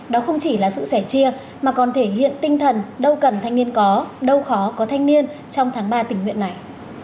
đó không chỉ là sự sẻ chia mà còn thể hiện tinh thần đâu cần thanh niên có đâu khó có thanh niên trong tháng ba tình nguyện này